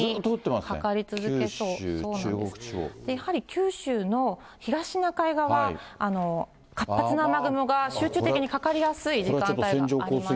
九州の東シナ海側、活発な雨雲が集中的にかかりやすい時間帯がありまして。